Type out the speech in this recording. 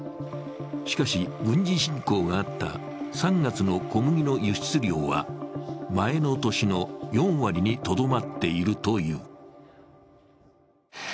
しかし軍事侵攻があった３月の小麦の輸出量は、前の年の４割にとどまっているという。